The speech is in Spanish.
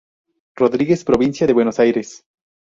Rodríguez, provincia de Buenos Aires.